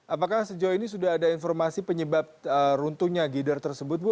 apakah sejauh ini sudah ada informasi penyebab runtuhnya gider tersebut bu